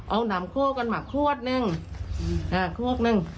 เอาน้ำโค้กกันมาขวดนึงอ่าขวดนึง